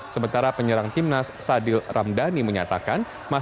sementara penyerang timnas sadil ramdhani menyatakan